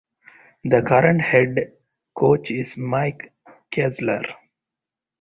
The current head coach is Mike Kesler.